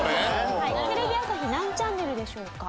テレビ朝日何チャンネルでしょうか？